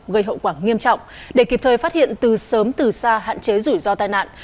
gây hậu quả nghiêm trọng để kịp thời phát hiện từ sớm từ xa hạn chế rủi ro tai nạn